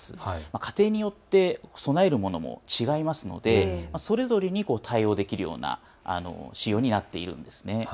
家庭によって備えるものも違いますのでそれぞれに対応できるような仕様になっているんです。